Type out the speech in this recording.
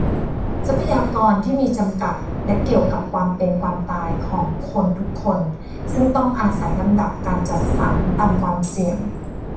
ทรัพยากรที่มีจำกัด และเกี่ยวกับความเป็นความตายของคนทุกคน ซึ่งต้องอาศัยลำดับการจัดสรรตามความเสี่ยง